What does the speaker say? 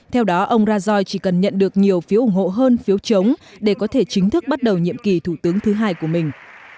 theo đó ông rajoy chỉ cần nhận được nhiều phiếu ủng hộ hơn phiếu chống để có thể chính thức bắt đầu nhiệm kỳ thủ tướng thứ hai của mình